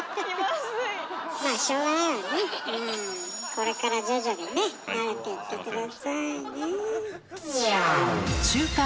これから徐々にね慣れてって下さいね。